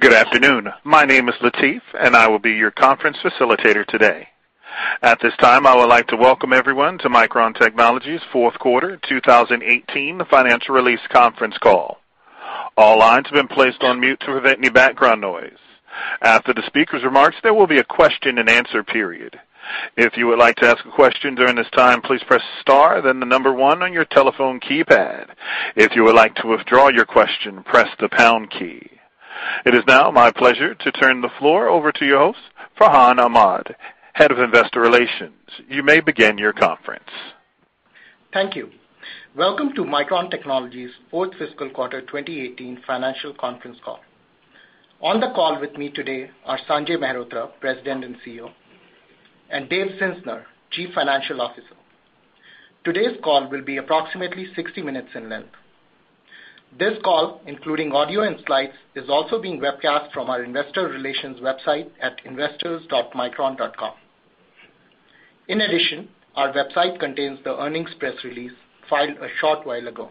Good afternoon. My name is Latif, and I will be your conference facilitator today. At this time, I would like to welcome everyone to Micron Technology's fourth quarter 2018 financial release conference call. All lines have been placed on mute to prevent any background noise. After the speaker's remarks, there will be a question and answer period. If you would like to ask a question during this time, please press star then the number one on your telephone keypad. If you would like to withdraw your question, press the pound key. It is now my pleasure to turn the floor over to your host, Farhan Ahmad, Head of Investor Relations. You may begin your conference. Thank you. Welcome to Micron Technology's fourth fiscal quarter 2018 financial conference call. On the call with me today are Sanjay Mehrotra, President and CEO, and Dave Zinsner, Chief Financial Officer. Today's call will be approximately 60 minutes in length. This call, including audio and slides, is also being webcast from our investor relations website at investors.micron.com. In addition, our website contains the earnings press release filed a short while ago.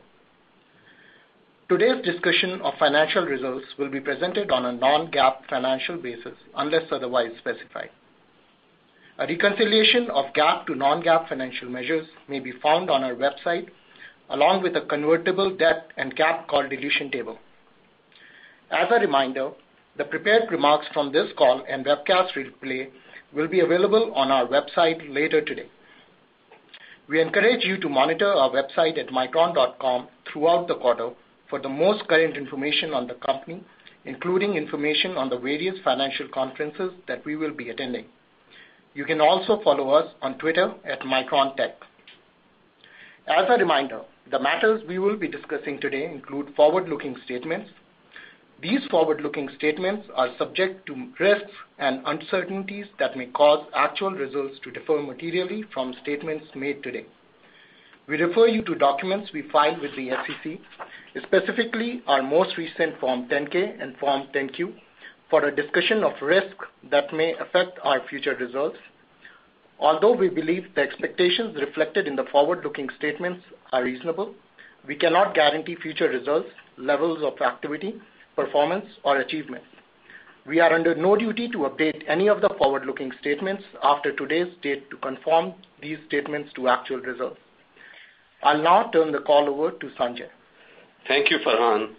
Today's discussion of financial results will be presented on a non-GAAP financial basis, unless otherwise specified. A reconciliation of GAAP to non-GAAP financial measures may be found on our website, along with a convertible debt and GAAP calculation table. As a reminder, the prepared remarks from this call and webcast replay will be available on our website later today. We encourage you to monitor our website at micron.com throughout the quarter for the most current information on the company, including information on the various financial conferences that we will be attending. You can also follow us on Twitter at MicronTech. As a reminder, the matters we will be discussing today include forward-looking statements. These forward-looking statements are subject to risks and uncertainties that may cause actual results to differ materially from statements made today. We refer you to documents we file with the SEC, specifically our most recent Form 10-K and Form 10-Q, for a discussion of risks that may affect our future results. Although we believe the expectations reflected in the forward-looking statements are reasonable, we cannot guarantee future results, levels of activity, performance, or achievements. We are under no duty to update any of the forward-looking statements after today's date to confirm these statements to actual results. I'll now turn the call over to Sanjay. Thank you, Farhan.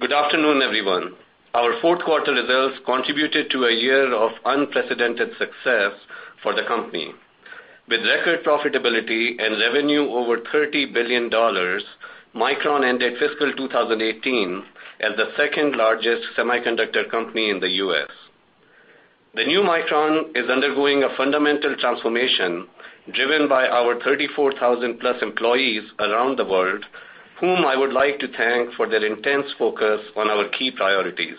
Good afternoon, everyone. Our fourth quarter results contributed to a year of unprecedented success for the company. With record profitability and revenue over $30 billion, Micron ended fiscal 2018 as the second largest semiconductor company in the U.S. The new Micron is undergoing a fundamental transformation driven by our 34,000 plus employees around the world, whom I would like to thank for their intense focus on our key priorities.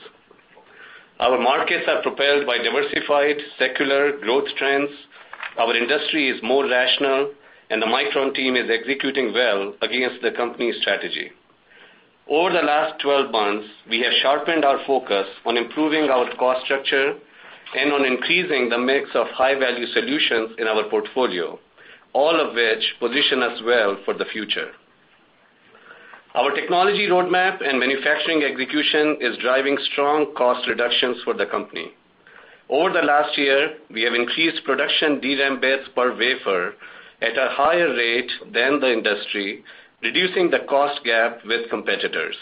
Our markets are propelled by diversified, secular growth trends. The Micron team is executing well against the company's strategy. Over the last 12 months, we have sharpened our focus on improving our cost structure and on increasing the mix of high-value solutions in our portfolio, all of which position us well for the future. Our technology roadmap and manufacturing execution is driving strong cost reductions for the company. Over the last year, we have increased production DRAM bits per wafer at a higher rate than the industry, reducing the cost gap with competitors.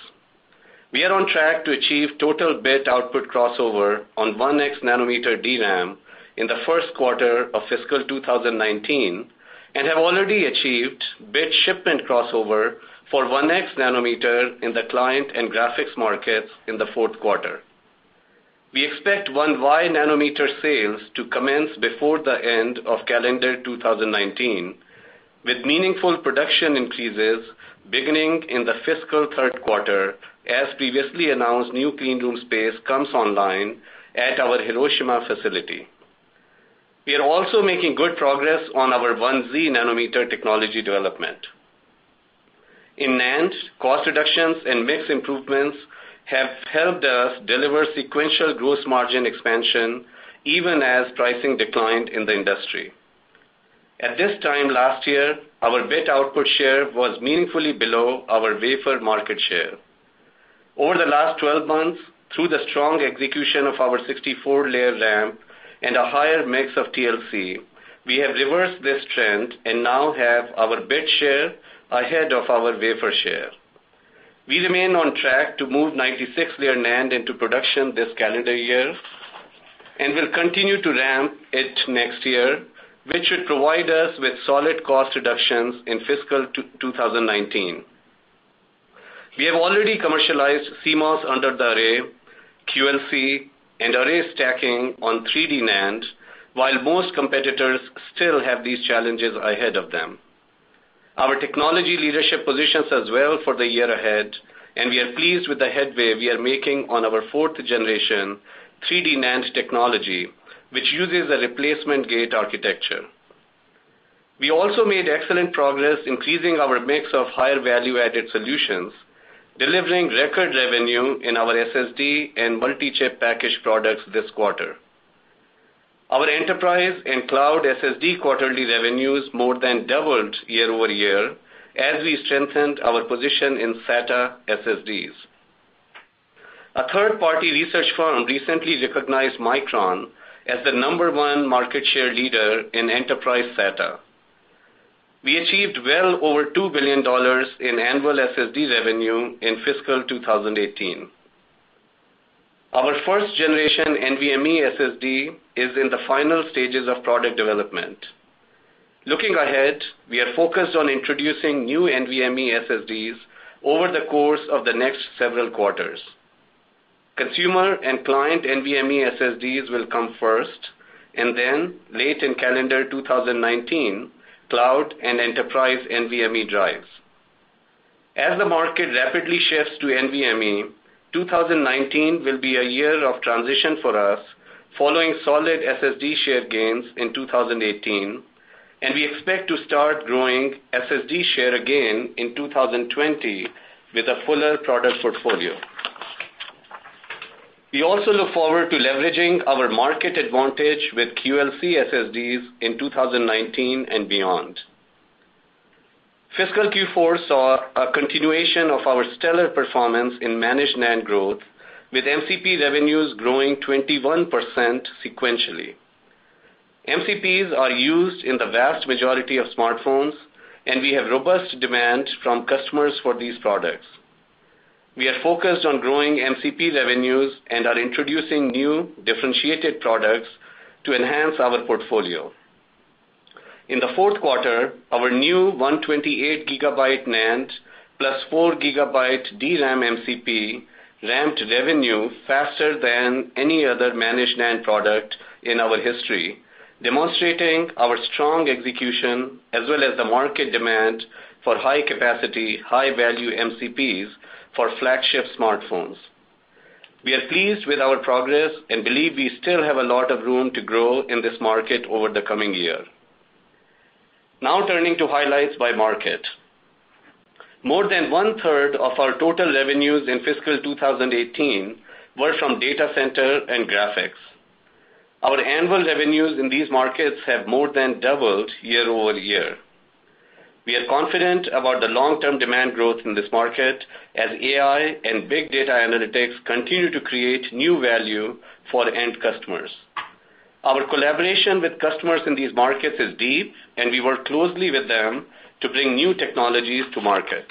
We are on track to achieve total bit output crossover on 1x nanometer DRAM in the first quarter of fiscal 2019 and have already achieved bit shipment crossover for 1x nanometer in the client and graphics markets in the fourth quarter. We expect 1y nanometer sales to commence before the end of calendar 2019, with meaningful production increases beginning in the fiscal third quarter as previously announced new clean room space comes online at our Hiroshima facility. We are also making good progress on our 1z nanometer technology development. In NAND, cost reductions and mix improvements have helped us deliver sequential gross margin expansion even as pricing declined in the industry. At this time last year, our bit output share was meaningfully below our wafer market share. Over the last 12 months, through the strong execution of our 64-layer 3D NAND and a higher mix of TLC, we have reversed this trend and now have our bit share ahead of our wafer share. We remain on track to move 96-layer NAND into production this calendar year and will continue to ramp it next year, which should provide us with solid cost reductions in fiscal 2019. We have already commercialized CMOS under the array, QLC, and array stacking on 3D NAND, while most competitors still have these challenges ahead of them. Our technology leadership positions us well for the year ahead. We are pleased with the headway we are making on our fourth generation 3D NAND technology, which uses a replacement gate architecture. We also made excellent progress increasing our mix of higher value-added solutions, delivering record revenue in our SSD and multi-chip package products this quarter. Our enterprise and cloud SSD quarterly revenues more than doubled year-over-year as we strengthened our position in SATA SSDs. A third-party research firm recently recognized Micron as the number one market share leader in enterprise SATA. We achieved well over $2 billion in annual SSD revenue in fiscal 2018. Our first generation NVMe SSD is in the final stages of product development. Looking ahead, we are focused on introducing new NVMe SSDs over the course of the next several quarters. Consumer and client NVMe SSDs will come first, and then late in calendar 2019, cloud and enterprise NVMe drives. As the market rapidly shifts to NVMe, 2019 will be a year of transition for us, following solid SSD share gains in 2018, and we expect to start growing SSD share again in 2020 with a fuller product portfolio. We also look forward to leveraging our market advantage with QLC SSDs in 2019 and beyond. Fiscal Q4 saw a continuation of our stellar performance in managed NAND growth, with MCP revenues growing 21% sequentially. MCPs are used in the vast majority of smartphones, and we have robust demand from customers for these products. We are focused on growing MCP revenues and are introducing new differentiated products to enhance our portfolio. In the fourth quarter, our new 128 GB NAND plus four GB DRAM MCP ramped revenue faster than any other managed NAND product in our history, demonstrating our strong execution as well as the market demand for high capacity, high value MCPs for flagship smartphones. We are pleased with our progress and believe we still have a lot of room to grow in this market over the coming year. Now turning to highlights by market. More than one-third of our total revenues in fiscal 2018 were from data center and graphics. Our annual revenues in these markets have more than doubled year-over-year. We are confident about the long-term demand growth in this market as AI and big data analytics continue to create new value for end customers. Our collaboration with customers in these markets is deep, and we work closely with them to bring new technologies to market.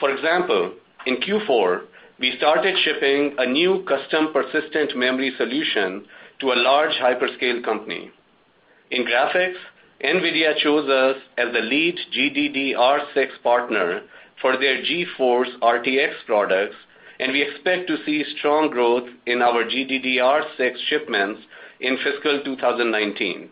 For example, in Q4, we started shipping a new custom persistent memory solution to a large hyperscale company. In graphics, NVIDIA chose us as the lead GDDR6 partner for their GeForce RTX products, and we expect to see strong growth in our GDDR6 shipments in fiscal 2019.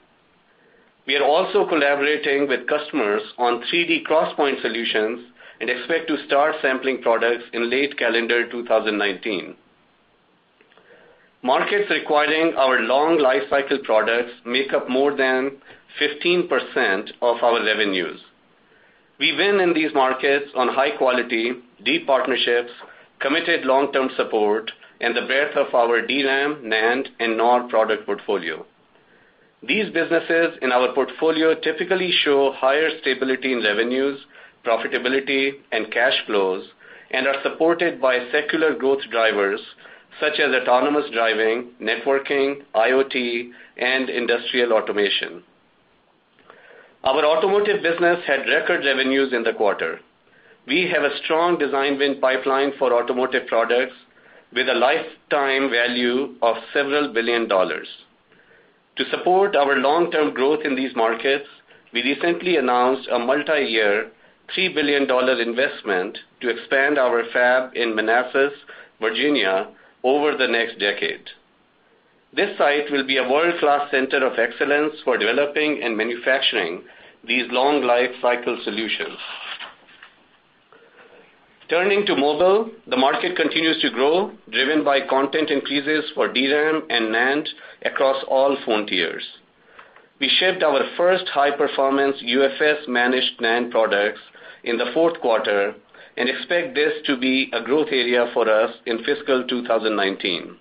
We are also collaborating with customers on 3D XPoint solutions and expect to start sampling products in late calendar 2019. Markets requiring our long lifecycle products make up more than 15% of our revenues. We win in these markets on high quality, deep partnerships, committed long-term support, and the breadth of our DRAM, NAND, and NOR product portfolio. These businesses in our portfolio typically show higher stability in revenues, profitability, and cash flows, and are supported by secular growth drivers such as autonomous driving, networking, IoT, and industrial automation. Our automotive business had record revenues in the quarter. We have a strong design win pipeline for automotive products with a lifetime value of several billion dollars. To support our long-term growth in these markets, we recently announced a multi-year, $3 billion investment to expand our fab in Manassas, Virginia, over the next decade. This site will be a world-class center of excellence for developing and manufacturing these long lifecycle solutions. Turning to mobile, the market continues to grow, driven by content increases for DRAM and NAND across all phone tiers. We shipped our first high-performance UFS managed NAND products in the fourth quarter and expect this to be a growth area for us in fiscal 2019.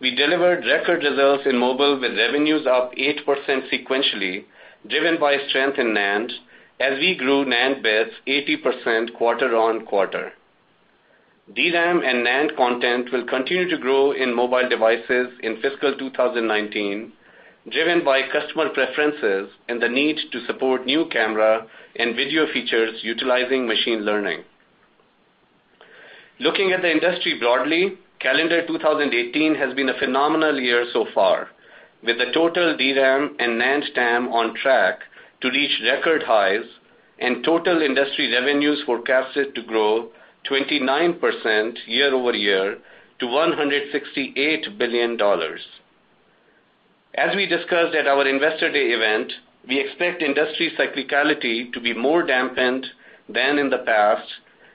We delivered record results in mobile with revenues up 8% sequentially, driven by strength in NAND, as we grew NAND bits 80% quarter-on-quarter. DRAM and NAND content will continue to grow in mobile devices in fiscal 2019, driven by customer preferences and the need to support new camera and video features utilizing machine learning. Looking at the industry broadly, calendar 2018 has been a phenomenal year so far. With the total DRAM and NAND TAM on track to reach record highs and total industry revenues forecasted to grow 29% year-over-year to $168 billion. As we discussed at our investor day event, we expect industry cyclicality to be more dampened than in the past,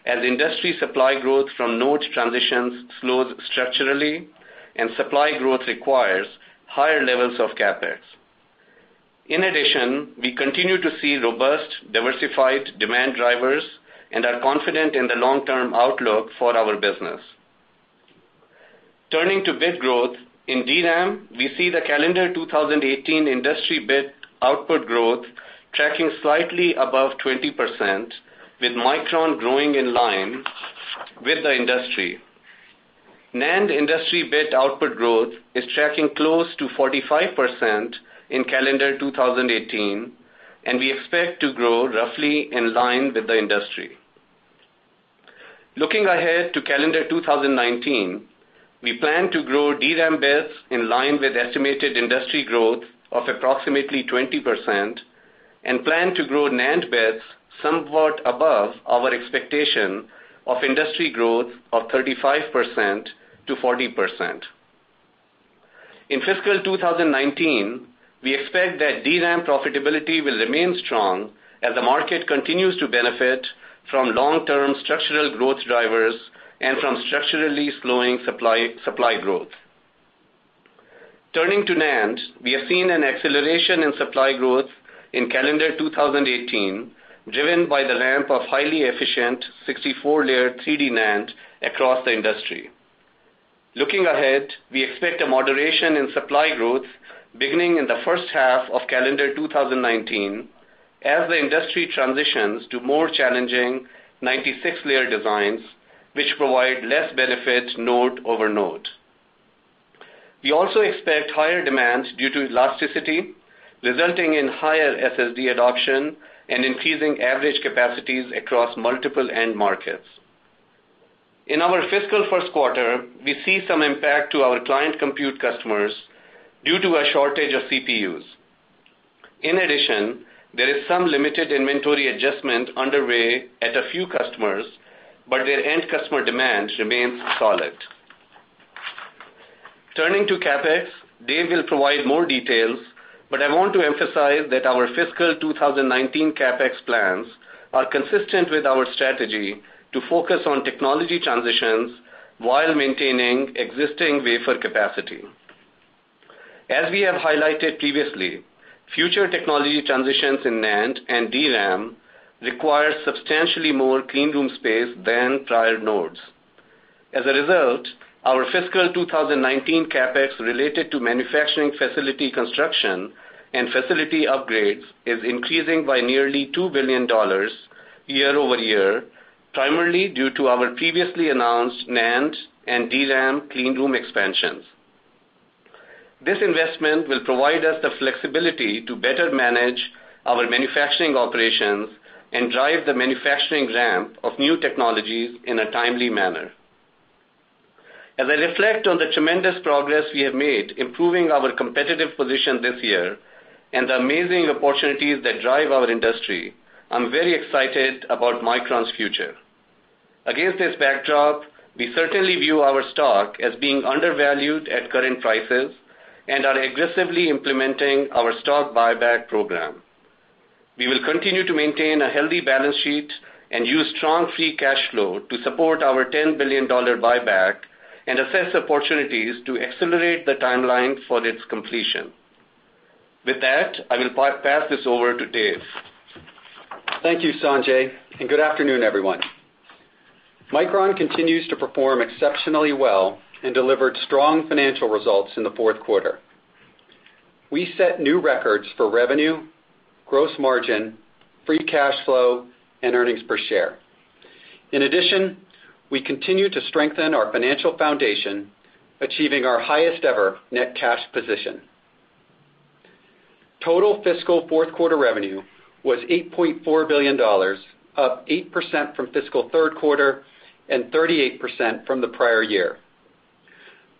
as industry supply growth from node transitions slows structurally and supply growth requires higher levels of CapEx. In addition, we continue to see robust, diversified demand drivers and are confident in the long-term outlook for our business. Turning to bit growth, in DRAM, we see the calendar 2018 industry bit output growth tracking slightly above 20%, with Micron growing in line with the industry. NAND industry bit output growth is tracking close to 45% in calendar 2018, and we expect to grow roughly in line with the industry. Looking ahead to calendar 2019, we plan to grow DRAM bits in line with estimated industry growth of approximately 20% and plan to grow NAND bits somewhat above our expectation of industry growth of 35%-40%. In fiscal 2019, we expect that DRAM profitability will remain strong as the market continues to benefit from long-term structural growth drivers and from structurally slowing supply growth. Turning to NAND, we have seen an acceleration in supply growth in calendar 2018, driven by the ramp of highly efficient 64-layer 3D NAND across the industry. Looking ahead, we expect a moderation in supply growth beginning in the first half of calendar 2019 as the industry transitions to more challenging 96-layer designs, which provide less benefit node over node. We also expect higher demand due to elasticity, resulting in higher SSD adoption and increasing average capacities across multiple end markets. In our fiscal first quarter, we see some impact to our client compute customers due to a shortage of CPUs. In addition, there is some limited inventory adjustment underway at a few customers, but their end customer demand remains solid. Turning to CapEx, Dave will provide more details, but I want to emphasize that our fiscal 2019 CapEx plans are consistent with our strategy to focus on technology transitions while maintaining existing wafer capacity. As we have highlighted previously, future technology transitions in NAND and DRAM require substantially more clean room space than prior nodes. As a result, our fiscal 2019 CapEx related to manufacturing facility construction and facility upgrades is increasing by nearly $2 billion year-over-year, primarily due to our previously announced NAND and DRAM clean room expansions. This investment will provide us the flexibility to better manage our manufacturing operations and drive the manufacturing ramp of new technologies in a timely manner. As I reflect on the tremendous progress we have made improving our competitive position this year and the amazing opportunities that drive our industry, I'm very excited about Micron's future. Against this backdrop, we certainly view our stock as being undervalued at current prices and are aggressively implementing our stock buyback program. We will continue to maintain a healthy balance sheet and use strong free cash flow to support our $10 billion buyback and assess opportunities to accelerate the timeline for its completion. With that, I will pass this over to Dave. Thank you, Sanjay, and good afternoon, everyone. Micron continues to perform exceptionally well and delivered strong financial results in the fourth quarter. We set new records for revenue, gross margin, free cash flow, and earnings per share. In addition, we continue to strengthen our financial foundation, achieving our highest ever net cash position. Total fiscal fourth quarter revenue was $8.4 billion, up 8% from fiscal third quarter and 38% from the prior year.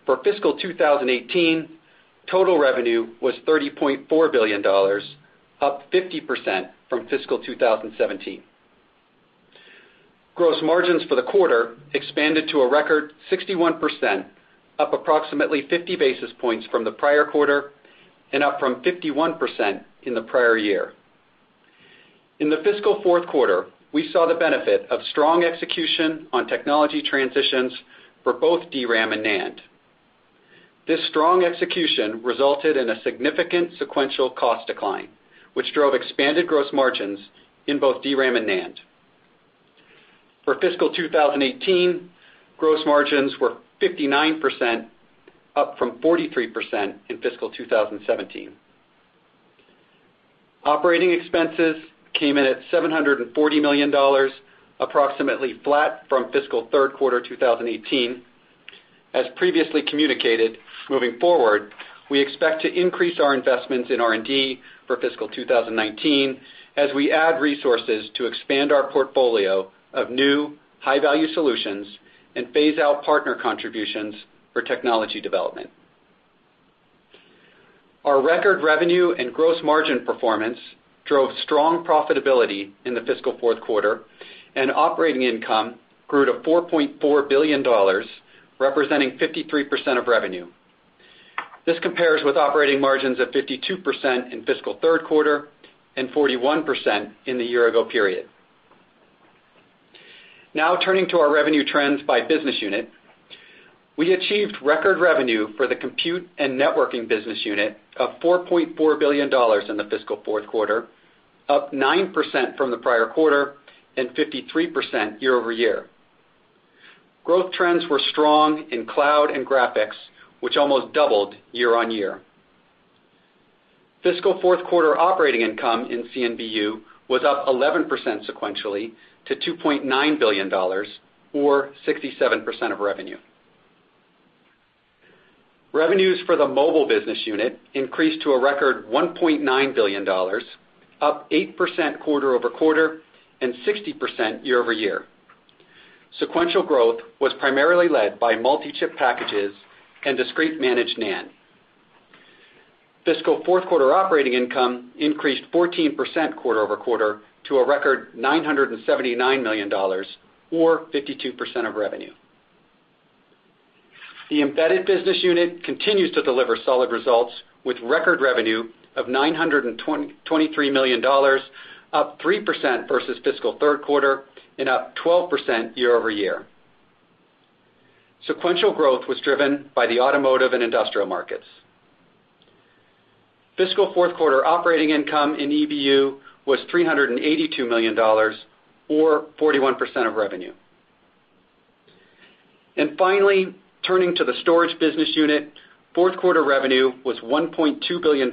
For fiscal 2018, total revenue was $30.4 billion, up 50% from fiscal 2017. Gross margins for the quarter expanded to a record 61%, up approximately 50 basis points from the prior quarter and up from 51% in the prior year. In the fiscal fourth quarter, we saw the benefit of strong execution on technology transitions for both DRAM and NAND. This strong execution resulted in a significant sequential cost decline, which drove expanded gross margins in both DRAM and NAND. For fiscal 2018, gross margins were 59%, up from 43% in fiscal 2017. Operating expenses came in at $740 million, approximately flat from fiscal third quarter 2018. As previously communicated, moving forward, we expect to increase our investments in R&D for fiscal 2019 as we add resources to expand our portfolio of new high-value solutions and phase out partner contributions for technology development. Our record revenue and gross margin performance drove strong profitability in the fiscal fourth quarter, and operating income grew to $4.4 billion, representing 53% of revenue. This compares with operating margins of 52% in fiscal third quarter and 41% in the year-ago period. Now turning to our revenue trends by business unit. We achieved record revenue for the Compute and Networking Business Unit of $4.4 billion in the fiscal fourth quarter, up 9% from the prior quarter and 53% year-over-year. Growth trends were strong in cloud and graphics, which almost doubled year-on-year. Fiscal fourth quarter operating income in CNBU was up 11% sequentially to $2.9 billion, or 67% of revenue. Revenues for the Mobile Business Unit increased to a record $1.9 billion, up 8% quarter-over-quarter and 60% year-over-year. Sequential growth was primarily led by multi-chip packages and discrete managed NAND. Fiscal fourth quarter operating income increased 14% quarter-over-quarter to a record $979 million, or 52% of revenue. The Embedded Business Unit continues to deliver solid results with record revenue of $923 million, up 3% versus fiscal third quarter and up 12% year-over-year. Sequential growth was driven by the automotive and industrial markets. Fiscal fourth quarter operating income in EBU was $382 million, or 41% of revenue. Finally, turning to the Storage Business Unit, fourth quarter revenue was $1.2 billion,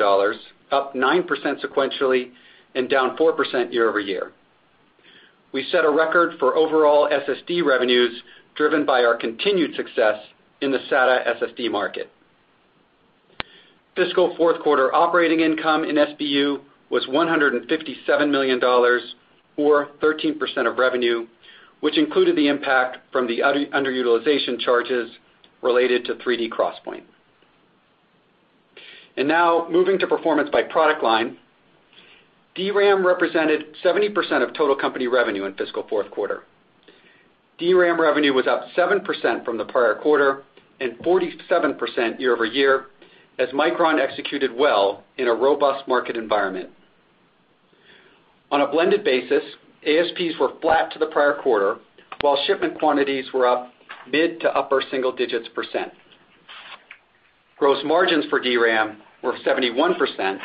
up 9% sequentially and down 4% year-over-year. We set a record for overall SSD revenues, driven by our continued success in the SATA SSD market. Fiscal fourth quarter operating income in SBU was $157 million, or 13% of revenue, which included the impact from the underutilization charges related to 3D XPoint. Now moving to performance by product line. DRAM represented 70% of total company revenue in fiscal fourth quarter. DRAM revenue was up 7% from the prior quarter and 47% year-over-year, as Micron executed well in a robust market environment. On a blended basis, ASPs were flat to the prior quarter, while shipment quantities were up mid to upper single digits %. Gross margins for DRAM were 71%,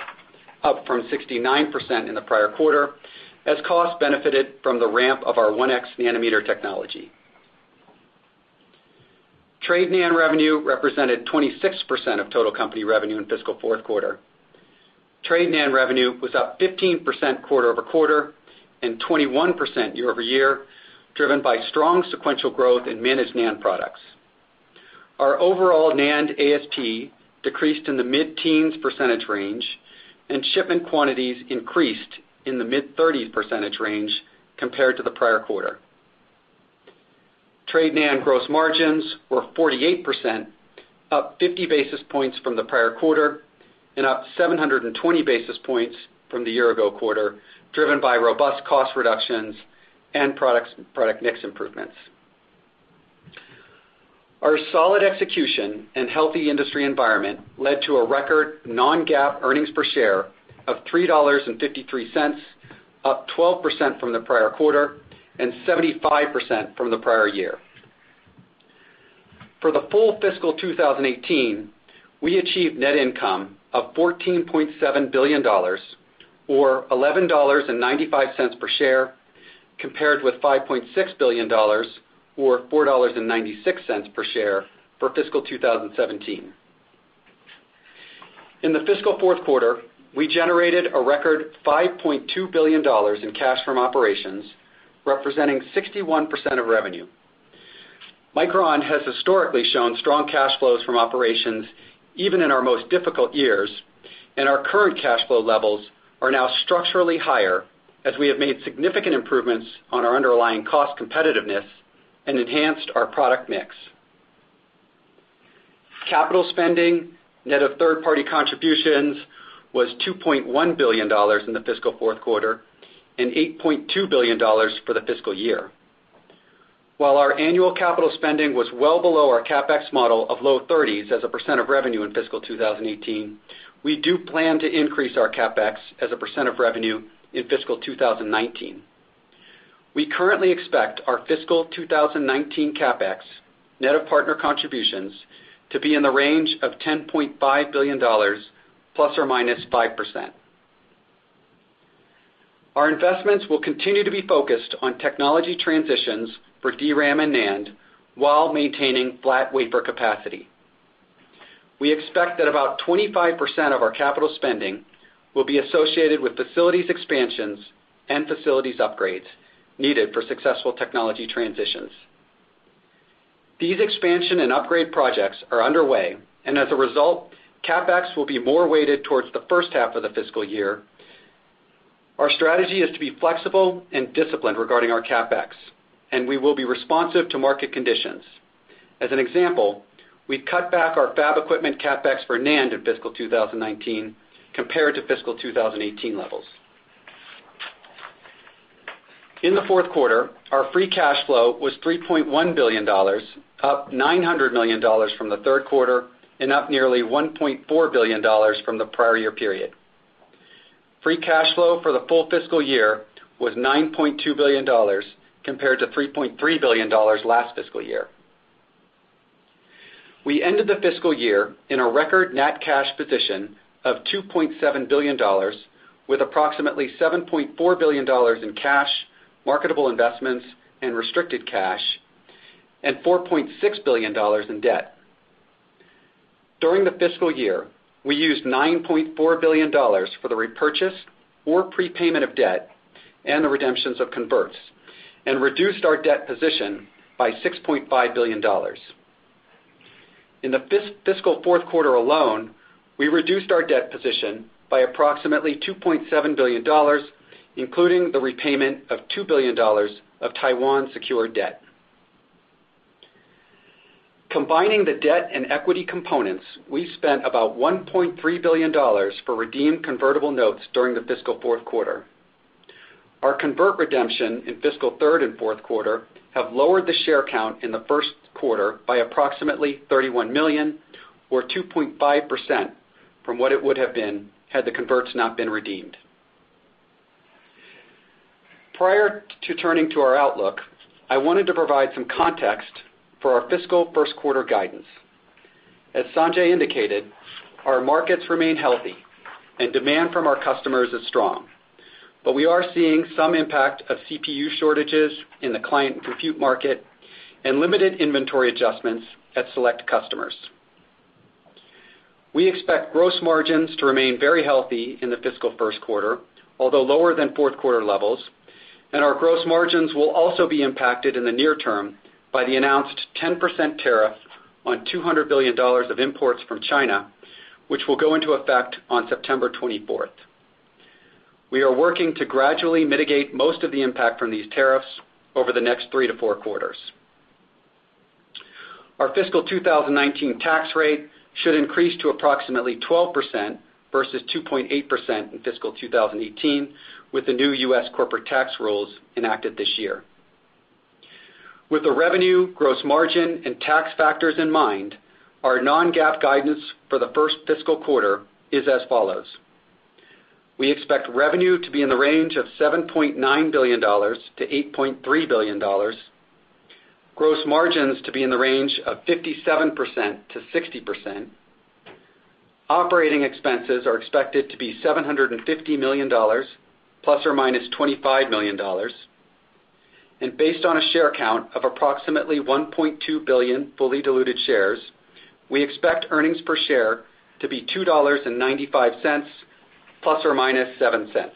up from 69% in the prior quarter, as costs benefited from the ramp of our 1x nanometer technology. Trade NAND revenue represented 26% of total company revenue in fiscal fourth quarter. Trade NAND revenue was up 15% quarter-over-quarter and 21% year-over-year, driven by strong sequential growth in managed NAND products. Our overall NAND ASP decreased in the mid-teens % range, and shipment quantities increased in the mid-30s % range compared to the prior quarter. Trade NAND gross margins were 48%, up 50 basis points from the prior quarter and up 720 basis points from the year-ago quarter, driven by robust cost reductions and product mix improvements. Our solid execution and healthy industry environment led to a record non-GAAP earnings per share of $3.53, up 12% from the prior quarter and 75% from the prior year. For the full fiscal 2018, we achieved net income of $14.7 billion, or $11.95 per share, compared with $5.6 billion, or $4.96 per share for fiscal 2017. In the fiscal fourth quarter, we generated a record $5.2 billion in cash from operations, representing 61% of revenue. Micron has historically shown strong cash flows from operations even in our most difficult years, and our current cash flow levels are now structurally higher as we have made significant improvements on our underlying cost competitiveness and enhanced our product mix. Capital spending, net of third-party contributions, was $2.1 billion in the fiscal fourth quarter and $8.2 billion for the fiscal year. While our annual capital spending was well below our CapEx model of low 30s % of revenue in fiscal 2018, we do plan to increase our CapEx as a percent of revenue in fiscal 2019. We currently expect our fiscal 2019 CapEx, net of partner contributions, to be in the range of $10.5 billion, ±5%. Our investments will continue to be focused on technology transitions for DRAM and NAND while maintaining flat wafer capacity. We expect that about 25% of our capital spending will be associated with facilities expansions and facilities upgrades needed for successful technology transitions. These expansion and upgrade projects are underway, as a result, CapEx will be more weighted towards the first half of the fiscal year. Our strategy is to be flexible and disciplined regarding our CapEx, we will be responsive to market conditions. As an example, we cut back our fab equipment CapEx for NAND in fiscal 2019 compared to fiscal 2018 levels. In the fourth quarter, our free cash flow was $3.1 billion, up $900 million from the third quarter and up nearly $1.4 billion from the prior year period. Free cash flow for the full fiscal year was $9.2 billion, compared to $3.3 billion last fiscal year. We ended the fiscal year in a record net cash position of $2.7 billion, with approximately $7.4 billion in cash, marketable investments and restricted cash, and $4.6 billion in debt. During the fiscal year, we used $9.4 billion for the repurchase or prepayment of debt and the redemptions of converts, and reduced our debt position by $6.5 billion. In the fiscal fourth quarter alone, we reduced our debt position by approximately $2.7 billion, including the repayment of $2 billion of Taiwan secured debt. Combining the debt and equity components, we spent about $1.3 billion for redeemed convertible notes during the fiscal fourth quarter. Our convert redemption in fiscal third and fourth quarter have lowered the share count in the first quarter by approximately 31 million, or 2.5% from what it would have been, had the converts not been redeemed. Prior to turning to our outlook, I wanted to provide some context for our fiscal first quarter guidance. As Sanjay indicated, our markets remain healthy, and demand from our customers is strong. We are seeing some impact of CPU shortages in the client compute market and limited inventory adjustments at select customers. We expect gross margins to remain very healthy in the fiscal first quarter, although lower than fourth quarter levels, and our gross margins will also be impacted in the near term by the announced 10% tariff on $200 billion of imports from China, which will go into effect on September 24th. We are working to gradually mitigate most of the impact from these tariffs over the next three to four quarters. Our FY 2019 tax rate should increase to approximately 12% versus 2.8% in FY 2018, with the new U.S. corporate tax rules enacted this year. With the revenue, gross margin, and tax factors in mind, our non-GAAP guidance for the first fiscal quarter is as follows. We expect revenue to be in the range of $7.9 billion-$8.3 billion, gross margins to be in the range of 57%-60%, operating expenses are expected to be $750 million ± $25 million, and based on a share count of approximately 1.2 billion fully diluted shares, we expect earnings per share to be $2.95, ± $0.07.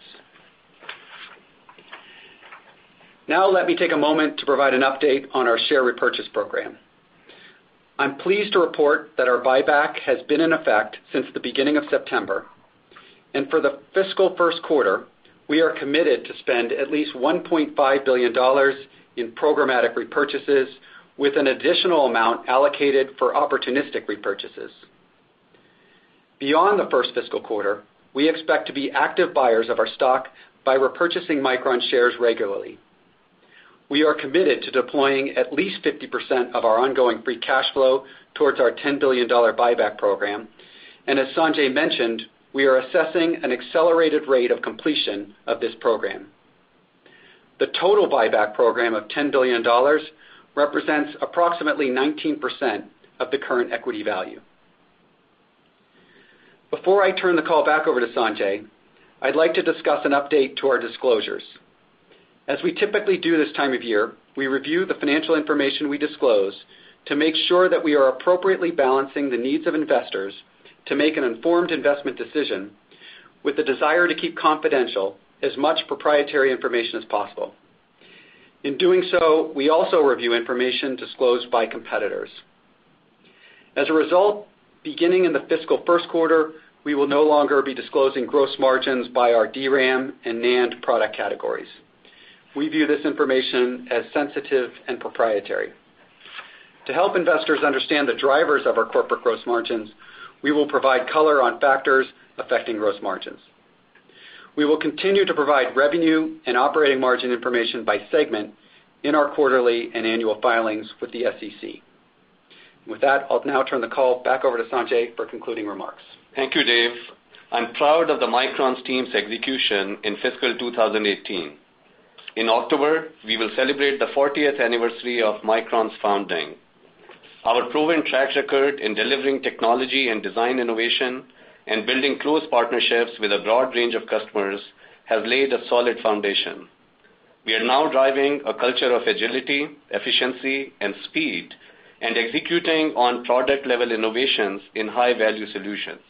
Let me take a moment to provide an update on our share repurchase program. I'm pleased to report that our buyback has been in effect since the beginning of September, and for the fiscal first quarter, we are committed to spend at least $1.5 billion in programmatic repurchases with an additional amount allocated for opportunistic repurchases. Beyond the first fiscal quarter, we expect to be active buyers of our stock by repurchasing Micron shares regularly. We are committed to deploying at least 50% of our ongoing free cash flow towards our $10 billion buyback program. As Sanjay mentioned, we are assessing an accelerated rate of completion of this program. The total buyback program of $10 billion represents approximately 19% of the current equity value. Before I turn the call back over to Sanjay, I'd like to discuss an update to our disclosures. We typically do this time of year, we review the financial information we disclose to make sure that we are appropriately balancing the needs of investors to make an informed investment decision with the desire to keep confidential as much proprietary information as possible. In doing so, we also review information disclosed by competitors. Beginning in the fiscal first quarter, we will no longer be disclosing gross margins by our DRAM and NAND product categories. We view this information as sensitive and proprietary. To help investors understand the drivers of our corporate gross margins, we will provide color on factors affecting gross margins. We will continue to provide revenue and operating margin information by segment in our quarterly and annual filings with the SEC. I'll now turn the call back over to Sanjay for concluding remarks. Thank you, Dave. I'm proud of the Micron team's execution in fiscal 2018. In October, we will celebrate the 40th anniversary of Micron's founding. Our proven track record in delivering technology and design innovation and building close partnerships with a broad range of customers has laid a solid foundation. We are now driving a culture of agility, efficiency, and speed, and executing on product-level innovations in high-value solutions.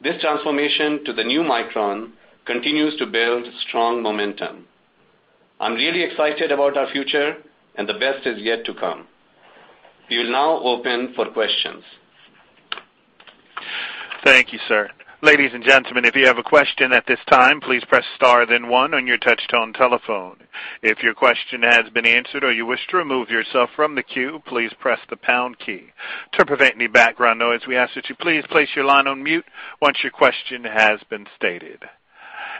This transformation to the new Micron continues to build strong momentum. I'm really excited about our future, the best is yet to come. We will now open for questions. Thank you, sir. Ladies and gentlemen, if you have a question at this time, please press star then one on your touchtone telephone. If your question has been answered or you wish to remove yourself from the queue, please press the pound key. To prevent any background noise, we ask that you please place your line on mute once your question has been stated.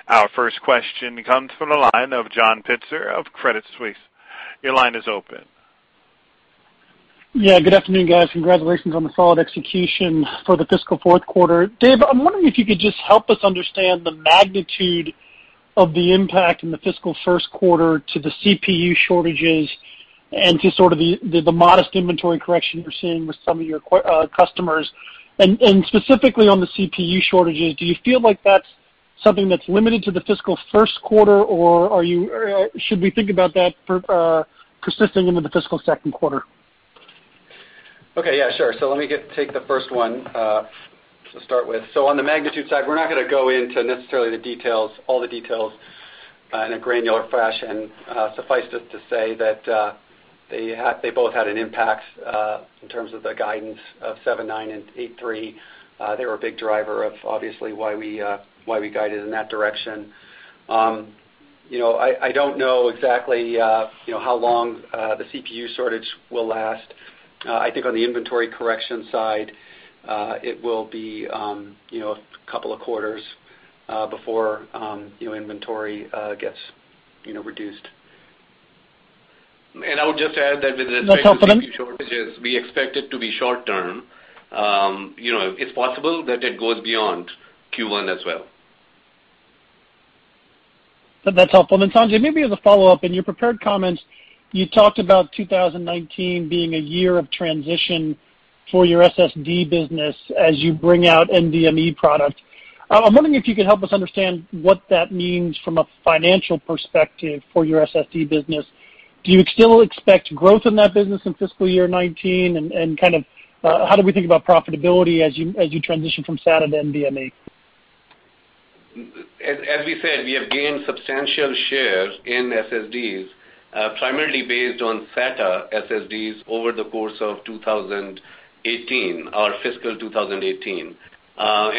Our first question comes from the line of John Pitzer of Credit Suisse. Your line is open. Yeah. Good afternoon, guys. Congratulations on the solid execution for the fiscal fourth quarter. Dave, I'm wondering if you could just help us understand the magnitude of the impact in the fiscal first quarter to the CPU shortages and to sort of the modest inventory correction you're seeing with some of your customers. Specifically on the CPU shortages, do you feel like that's something that's limited to the fiscal first quarter, or should we think about that persisting into the fiscal second quarter? Okay. Yeah, sure. Let me take the first one to start with. On the magnitude side, we're not going to go into necessarily all the details in a granular fashion. Suffice it to say that they both had an impact, in terms of the guidance of $79 and $83. They were a big driver of obviously why we guided in that direction. I don't know exactly how long the CPU shortage will last. I think on the inventory correction side, it will be a couple of quarters before inventory gets reduced. I would just add that with the- That's helpful, then CPU shortages, we expect it to be short-term. It's possible that it goes beyond Q1 as well. That's helpful. Sanjay, maybe as a follow-up, in your prepared comments, you talked about 2019 being a year of transition for your SSD business as you bring out NVMe product. I'm wondering if you could help us understand what that means from a financial perspective for your SSD business. Do you still expect growth in that business in fiscal year 2019, and how do we think about profitability as you transition from SATA to NVMe? As we said, we have gained substantial shares in SSDs, primarily based on SATA SSDs over the course of 2018, our fiscal 2018.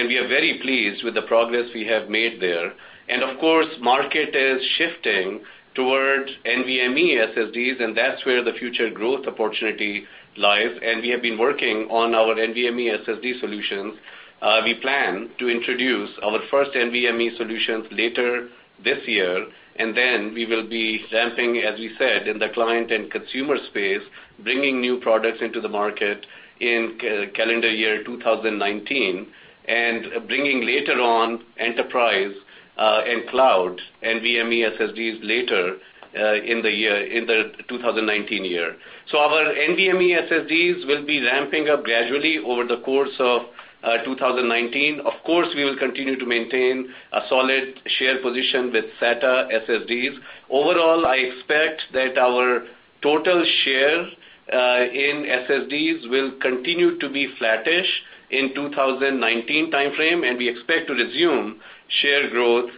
We are very pleased with the progress we have made there. Of course, market is shifting towards NVMe SSDs, that's where the future growth opportunity lies, and we have been working on our NVMe SSD solutions. We plan to introduce our first NVMe solutions later this year. Then we will be ramping, as we said, in the client and consumer space, bringing new products into the market in calendar year 2019 and bringing later on enterprise, and cloud NVMe SSDs later in the 2019 year. Our NVMe SSDs will be ramping up gradually over the course of 2019. Of course, we will continue to maintain a solid share position with SATA SSDs. Overall, I expect that our total share in SSDs will continue to be flattish in 2019 timeframe. We expect to resume share growth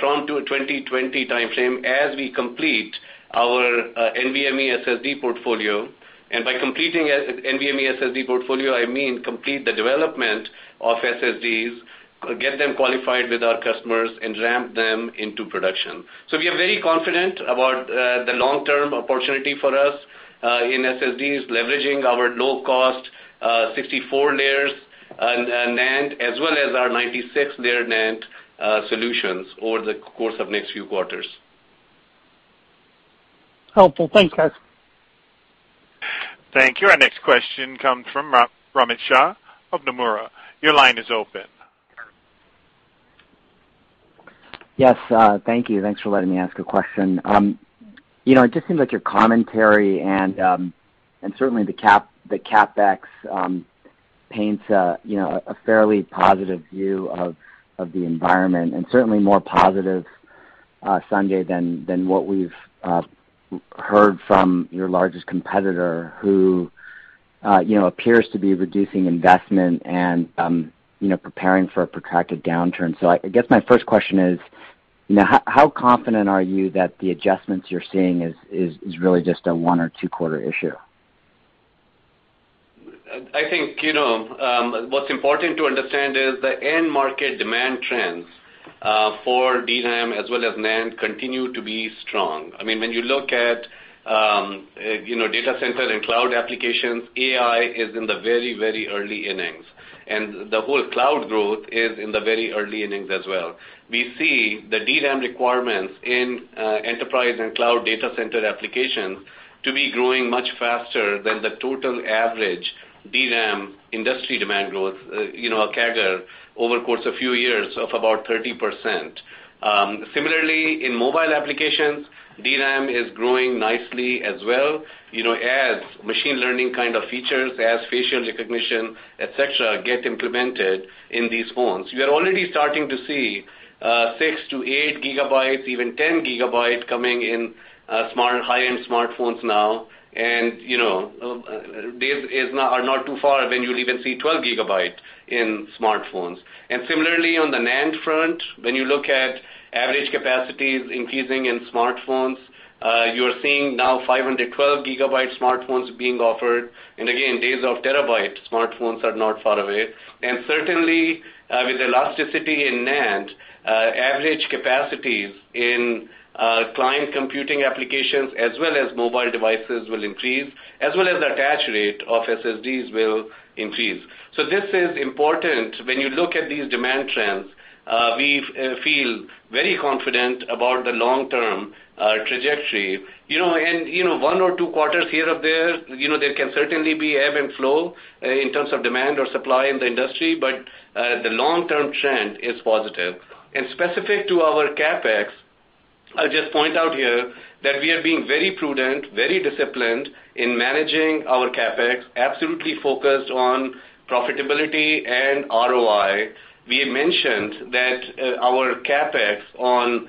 from 2020 timeframe as we complete our NVMe SSD portfolio. By completing NVMe SSD portfolio, I mean complete the development of SSDs, get them qualified with our customers, and ramp them into production. We are very confident about the long-term opportunity for us in SSDs, leveraging our low-cost 64 layers NAND as well as our 96-layer NAND solutions over the course of next few quarters. Helpful. Thanks, guys. Thank you. Our next question comes from Romit Shah of Nomura. Your line is open. Yes, thank you. Thanks for letting me ask a question. It just seems like your commentary and certainly the CapEx paints a fairly positive view of the environment and certainly more positive, Sanjay, than what we've heard from your largest competitor who appears to be reducing investment and preparing for a protracted downturn. I guess my first question is, how confident are you that the adjustments you're seeing is really just a one or two-quarter issue? I think what's important to understand is the end market demand trends for DRAM as well as NAND continue to be strong. When you look at data centers and cloud applications, AI is in the very early innings, and the whole cloud growth is in the very early innings as well. We see the DRAM requirements in enterprise and cloud data center applications to be growing much faster than the total average DRAM industry demand growth, a CAGR, over the course of a few years of about 30%. Similarly, in mobile applications, DRAM is growing nicely as well, as machine learning kind of features, as facial recognition, et cetera, get implemented in these phones. We are already starting to see six to eight gigabytes, even 10 gigabytes coming in high-end smartphones now, and days are not too far when you'll even see 12 gigabytes in smartphones. Similarly, on the NAND front, when you look at average capacities increasing in smartphones, you are seeing now 512 gigabyte smartphones being offered. Again, days of terabyte smartphones are not far away. Certainly, with elasticity in NAND, average capacities in client computing applications as well as mobile devices will increase, as well as the attach rate of SSDs will increase. This is important. When you look at these demand trends, we feel very confident about the long-term trajectory. One or two quarters here or there can certainly be ebb and flow in terms of demand or supply in the industry, but the long-term trend is positive. Specific to our CapEx I'll just point out here that we are being very prudent, very disciplined in managing our CapEx, absolutely focused on profitability and ROI. We have mentioned that our CapEx on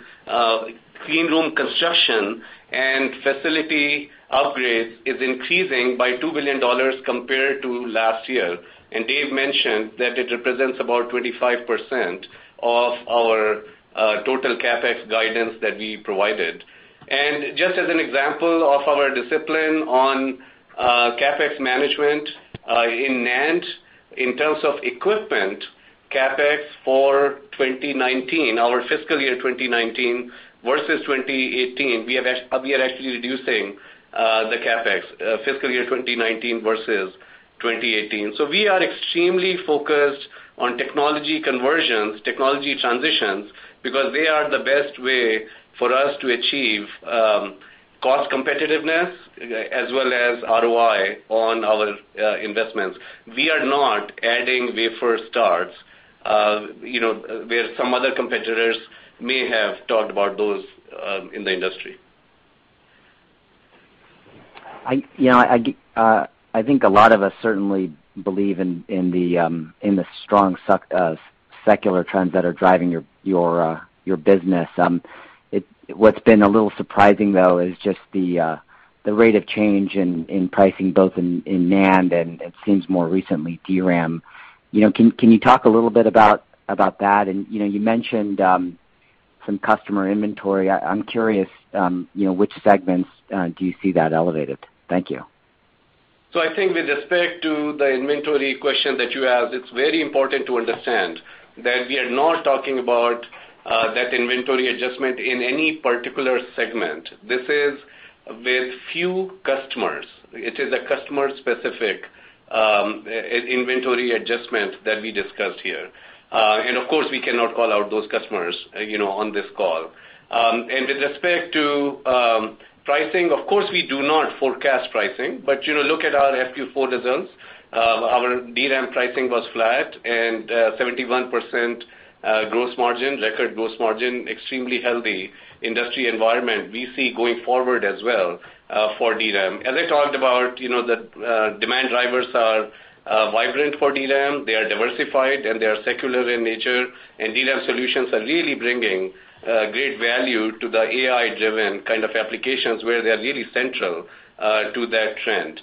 clean room construction and facility upgrades is increasing by $2 billion compared to last year, and Dave mentioned that it represents about 25% of our total CapEx guidance that we provided. Just as an example of our discipline on CapEx management in NAND, in terms of equipment, CapEx for 2019, our fiscal year 2019 versus 2018, we are actually reducing the CapEx, fiscal year 2019 versus 2018. We are extremely focused on technology conversions, technology transitions, because they are the best way for us to achieve cost competitiveness as well as ROI on our investments. We are not adding wafer starts, where some other competitors may have talked about those in the industry. I think a lot of us certainly believe in the strong secular trends that are driving your business. What's been a little surprising, though, is just the rate of change in pricing, both in NAND and it seems more recently, DRAM. Can you talk a little bit about that? You mentioned some customer inventory. I'm curious, which segments do you see that elevated? Thank you. I think with respect to the inventory question that you have, it's very important to understand that we are not talking about that inventory adjustment in any particular segment. This is with few customers. It is a customer-specific inventory adjustment that we discussed here. Of course, we cannot call out those customers on this call. With respect to pricing, of course, we do not forecast pricing, but look at our FQ4 results. Our DRAM pricing was flat and 71% gross margin, record gross margin, extremely healthy industry environment we see going forward as well for DRAM. As I talked about, the demand drivers are vibrant for DRAM. They are diversified, and they are secular in nature, and DRAM solutions are really bringing great value to the AI-driven kind of applications where they are really central to that trend.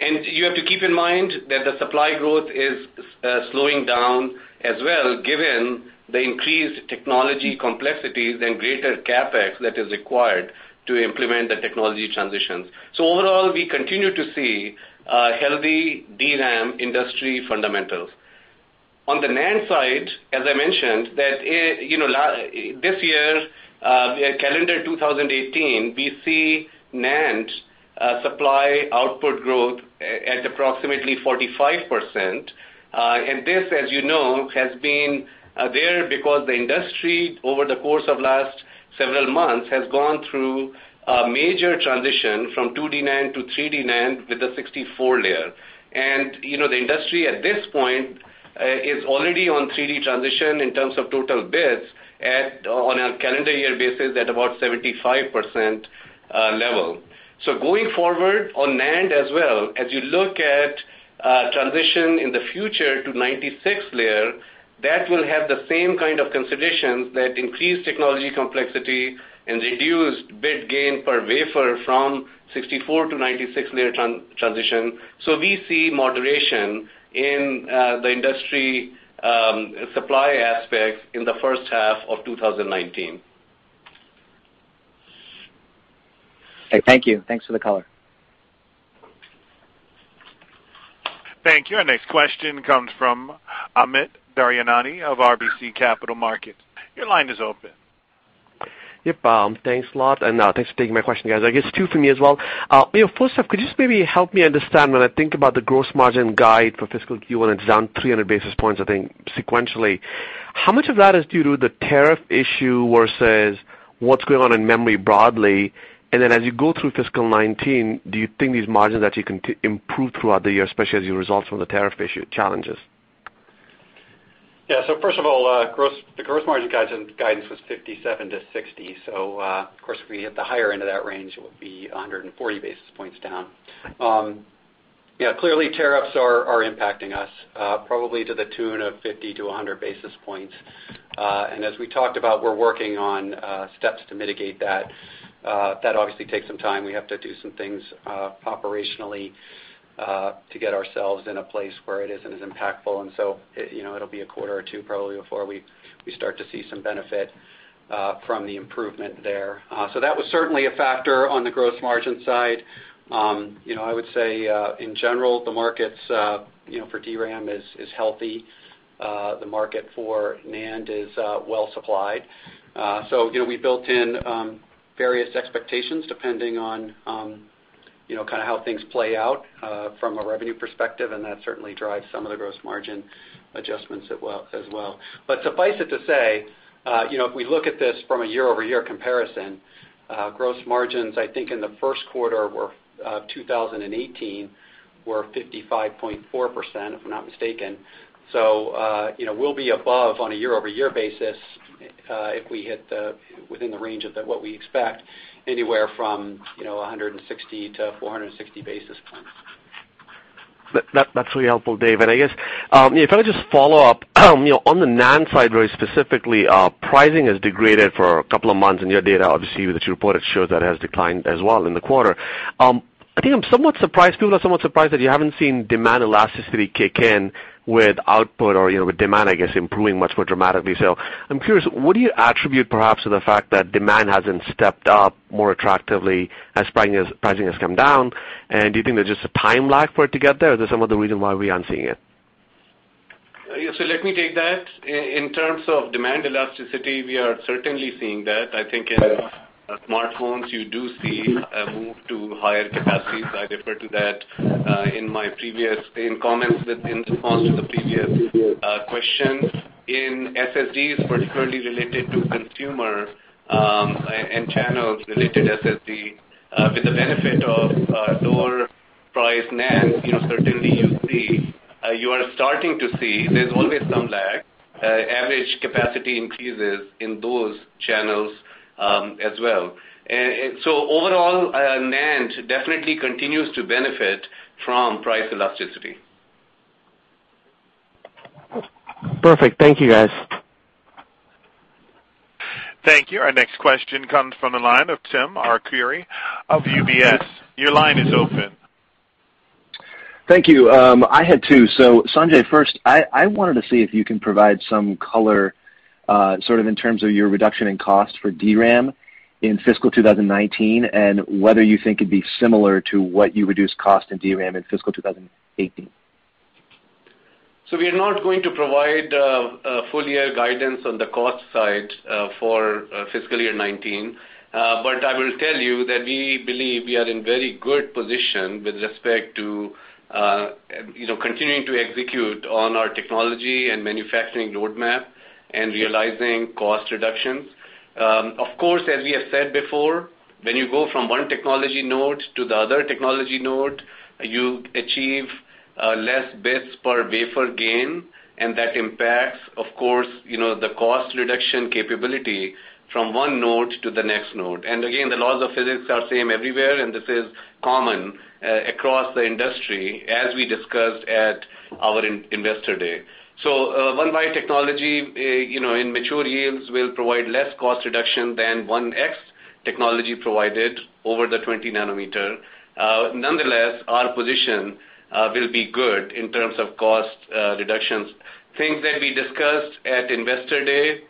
You have to keep in mind that the supply growth is slowing down as well, given the increased technology complexities and greater CapEx that is required to implement the technology transitions. Overall, we continue to see healthy DRAM industry fundamentals. On the NAND side, as I mentioned, this year, calendar 2018, we see NAND supply output growth at approximately 45%, and this, as you know, has been there because the industry, over the course of last several months, has gone through a major transition from 2D NAND to 3D NAND with a 64-layer. The industry, at this point, is already on 3D transition in terms of total bits on a calendar year basis at about 75% level. Going forward on NAND as well, as you look at transition in the future to 96-layer, that will have the same kind of considerations that increase technology complexity and reduce bit gain per wafer from 64-layer to 96-layer transition. We see moderation in the industry supply aspect in the first half of 2019. Thank you. Thanks for the color. Thank you. Our next question comes from Amit Daryanani of RBC Capital Markets. Your line is open. Yep. Thanks a lot, and thanks for taking my question, guys. I guess two for me as well. First off, could you just maybe help me understand when I think about the gross margin guide for fiscal Q1, it's down 300 basis points, I think, sequentially. How much of that is due to the tariff issue versus what's going on in memory broadly? Then as you go through fiscal 2019, do you think these margins actually can improve throughout the year, especially as you resolve some of the tariff issue challenges? First of all, the gross margin guidance was 57%-60%. Of course, if we hit the higher end of that range, it would be 140 basis points down. Clearly, tariffs are impacting us, probably to the tune of 50 to 100 basis points. As we talked about, we're working on steps to mitigate that. That obviously takes some time. We have to do some things operationally to get ourselves in a place where it isn't as impactful. It'll be a quarter or two, probably, before we start to see some benefit from the improvement there. That was certainly a factor on the gross margin side. I would say, in general, the markets for DRAM is healthy. The market for NAND is well supplied. We built in various expectations depending on how things play out from a revenue perspective, and that certainly drives some of the gross margin adjustments as well. Suffice it to say, if we look at this from a year-over-year comparison, gross margins, I think in the first quarter of 2018, were 55.4%, if I'm not mistaken. We'll be above on a year-over-year basis if we hit within the range of what we expect, anywhere from 160 to 460 basis points. That's really helpful, Dave. If I could just follow up, on the NAND side, very specifically, pricing has degraded for a couple of months, and your data, obviously, that you reported shows that it has declined as well in the quarter. I think I'm somewhat surprised, people are somewhat surprised that you haven't seen demand elasticity kick in with output or with demand, I guess, improving much more dramatically. I'm curious, what do you attribute perhaps to the fact that demand hasn't stepped up more attractively as pricing has come down? Do you think there's just a time lag for it to get there, or there's some other reason why we aren't seeing it? Let me take that. In terms of demand elasticity, we are certainly seeing that. I think in smartphones, you do see a move to higher capacities. I referred to that in comments in response to the previous question. In SSDs, particularly related to consumer and channel-related SSD, with the benefit of lower price NAND, certainly you are starting to see, there's always some lag, average capacity increases in those channels as well. Overall, NAND definitely continues to benefit from price elasticity. Perfect. Thank you, guys. Thank you. Our next question comes from the line of Timothy Arcuri of UBS. Your line is open. Thank you. I had two. Sanjay, first, I wanted to see if you can provide some color in terms of your reduction in cost for DRAM in fiscal 2019, and whether you think it'd be similar to what you reduced cost in DRAM in fiscal 2018. We are not going to provide full year guidance on the cost side for fiscal year 2019. I will tell you that we believe we are in very good position with respect to continuing to execute on our technology and manufacturing roadmap and realizing cost reductions. Of course, as we have said before, when you go from one technology node to the other technology node, you achieve less bits per wafer gain, and that impacts, of course, the cost reduction capability from one node to the next node. Again, the laws of physics are same everywhere, and this is common across the industry as we discussed at our Investor Day. 1y technology in mature yields will provide less cost reduction than 1x technology provided over the 20 nanometer. Nonetheless, our position will be good in terms of cost reductions. Things that we discussed at Investor Day,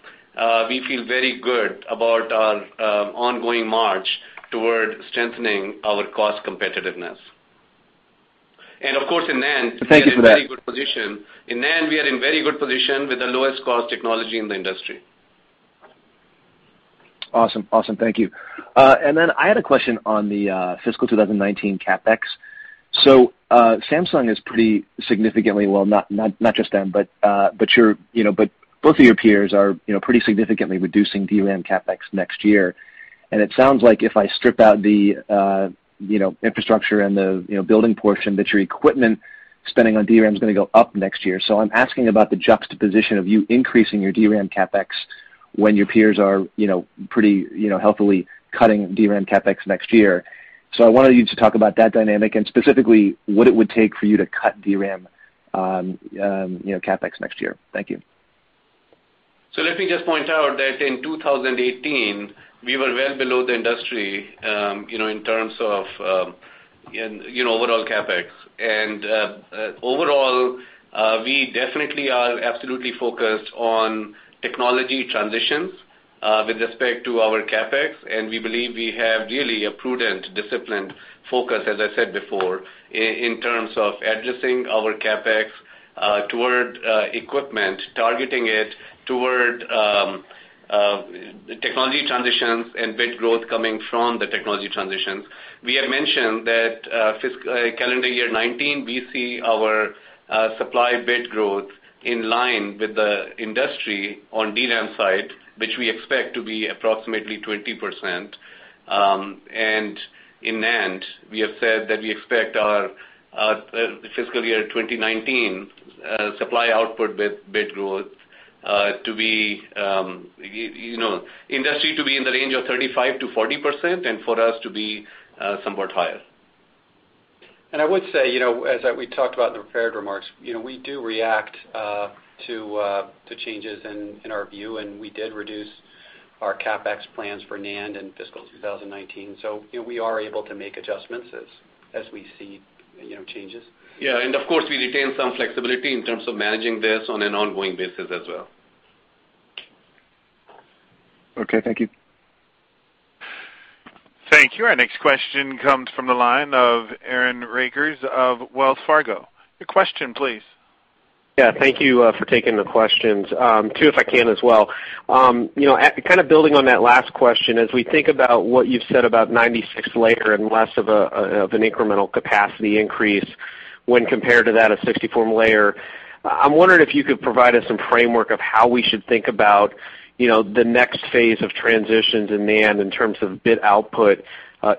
we feel very good about our ongoing march toward strengthening our cost competitiveness. Of course, in NAND- Thank you for that. We are in very good position. In NAND, we are in very good position with the lowest cost technology in the industry. Awesome. Thank you. Then I had a question on the fiscal 2019 CapEx. Samsung is pretty significantly, well, not just them, but both of your peers are pretty significantly reducing DRAM CapEx next year. It sounds like if I strip out the infrastructure and the building portion, that your equipment spending on DRAM is going to go up next year. I'm asking about the juxtaposition of you increasing your DRAM CapEx when your peers are pretty healthily cutting DRAM CapEx next year. I wanted you to talk about that dynamic and specifically what it would take for you to cut DRAM CapEx next year. Thank you. Let me just point out that in 2018, we were well below the industry in terms of overall CapEx. Overall, we definitely are absolutely focused on technology transitions with respect to our CapEx, and we believe we have really a prudent, disciplined focus, as I said before, in terms of adjusting our CapEx toward equipment, targeting it toward technology transitions and bit growth coming from the technology transitions. We have mentioned that calendar year 2019, we see our supply bit growth in line with the industry on DRAM side, which we expect to be approximately 20%. In NAND, we have said that we expect our fiscal year 2019 supply output bit growth to be, industry to be in the range of 35%-40% and for us to be somewhat higher. I would say, as we talked about in the prepared remarks, we do react to changes in our view, and we did reduce our CapEx plans for NAND in fiscal 2019. We are able to make adjustments as we see changes. Yeah. Of course, we retain some flexibility in terms of managing this on an ongoing basis as well. Okay. Thank you. Thank you. Our next question comes from the line of Aaron Rakers of Wells Fargo. Your question, please. Yeah. Thank you for taking the questions. Two, if I can, as well. Kind of building on that last question, as we think about what you've said about 96 layer and less of an incremental capacity increase when compared to that of 64 layer, I'm wondering if you could provide us some framework of how we should think about the next phase of transitions in NAND in terms of bit output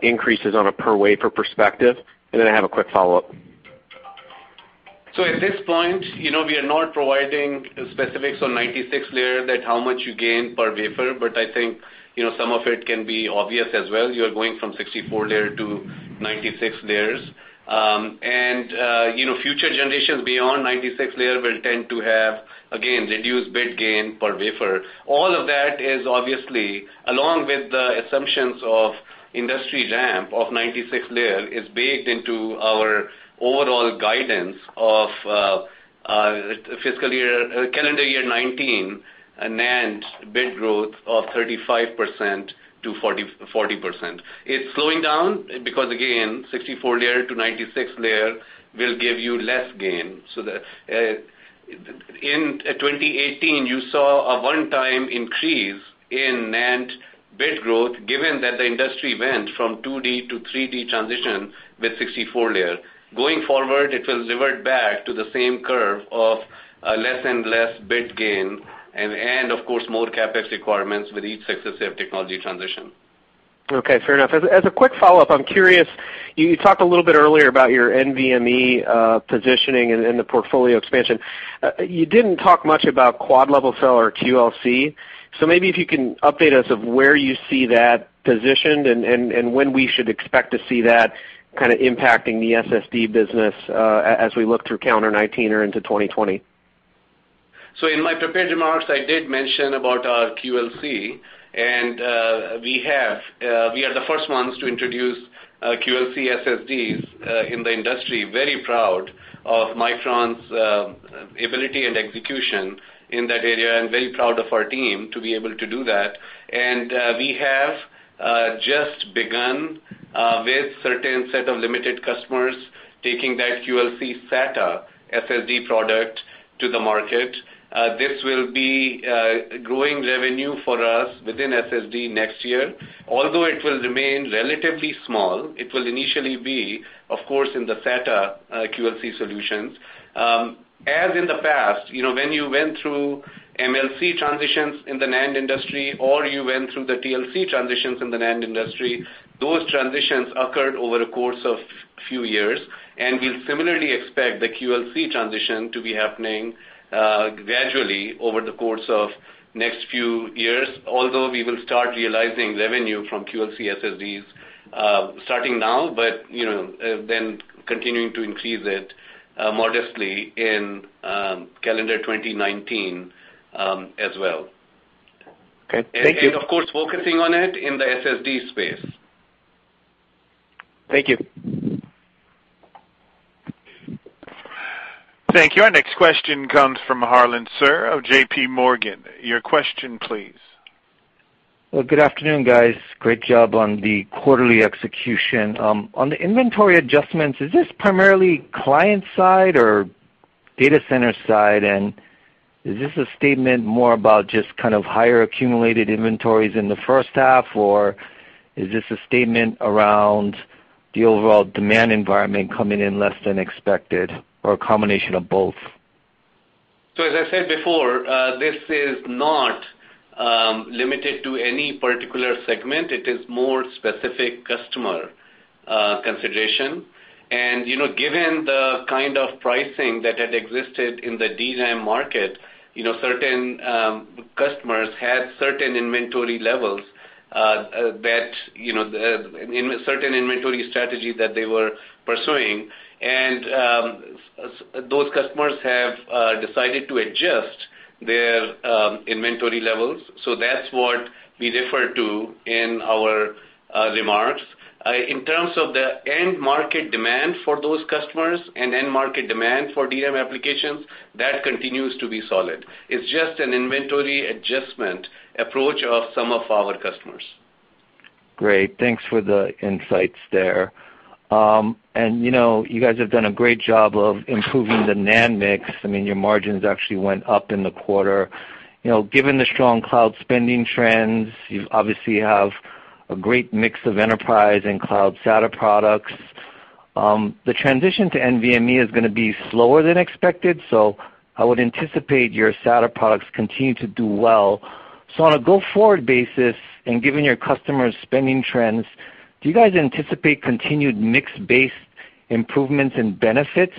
increases on a per wafer perspective, and then I have a quick follow-up. At this point, we are not providing specifics on 96 layer, that how much you gain per wafer, but I think some of it can be obvious as well. You're going from 64 layer to 96 layers. Future generations beyond 96 layer will tend to have, again, reduced bit gain per wafer. All of that is obviously, along with the assumptions of industry ramp of 96 layer, is baked into our overall guidance of calendar year 2019, a NAND bit growth of 35%-40%. It's slowing down because again, 64 layer to 96 layer will give you less gain. In 2018, you saw a one-time increase in NAND bit growth, given that the industry went from 2D to 3D transition with 64 layer. Going forward, it will revert back to the same curve of less and less bit gain and of course, more CapEx requirements with each successive technology transition. Okay, fair enough. As a quick follow-up, I'm curious, you talked a little bit earlier about your NVMe positioning and the portfolio expansion. You didn't talk much about quad-level cell or QLC. Maybe if you can update us of where you see that positioned and when we should expect to see that kind of impacting the SSD business, as we look through calendar 2019 or into 2020. In my prepared remarks, I did mention about our QLC, and we are the first ones to introduce QLC SSDs in the industry. Very proud of Micron's ability and execution in that area, and very proud of our team to be able to do that. We have just begun with certain set of limited customers taking that QLC SATA SSD product to the market. This will be growing revenue for us within SSD next year, although it will remain relatively small. It will initially be, of course, in the SATA QLC solutions. As in the past, when you went through MLC transitions in the NAND industry, or you went through the TLC transitions in the NAND industry, those transitions occurred over the course of few years, and we'll similarly expect the QLC transition to be happening gradually over the course of next few years. Although we will start realizing revenue from QLC SSDs, starting now, continuing to increase it modestly in calendar 2019, as well. Okay. Thank you. Of course, focusing on it in the SSD space. Thank you. Thank you. Our next question comes from Harlan Sur of J.P. Morgan. Your question, please. Well, good afternoon, guys. Great job on the quarterly execution. On the inventory adjustments, is this primarily client side or data center side? Is this a statement more about just kind of higher accumulated inventories in the first half, or is this a statement around the overall demand environment coming in less than expected, or a combination of both? As I said before, this is not limited to any particular segment. It is more specific customer consideration. Given the kind of pricing that had existed in the DRAM market, certain customers had certain inventory levels, certain inventory strategy that they were pursuing. Those customers have decided to adjust their inventory levels. That's what we refer to in our remarks. In terms of the end market demand for those customers and end market demand for DRAM applications, that continues to be solid. It's just an inventory adjustment approach of some of our customers. Great. Thanks for the insights there. You guys have done a great job of improving the NAND mix. Your margins actually went up in the quarter. Given the strong cloud spending trends, you obviously have a great mix of enterprise and cloud SATA products. The transition to NVMe is going to be slower than expected, so I would anticipate your SATA products continue to do well. On a go-forward basis, and given your customers' spending trends, do you guys anticipate continued mix-based improvements and benefits